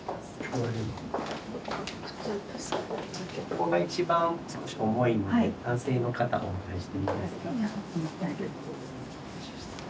ここが一番少し重いので男性の方お願いしていいですか？